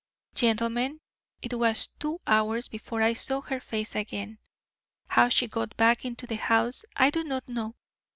Gentlemen, it was two hours before I saw her face again. How she got back into the house I do not know.